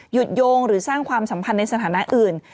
โยงหรือสร้างความสัมพันธ์ในสถานะอื่น